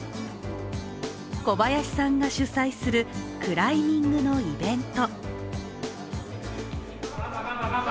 小林さんが主催するクライミングのイベント。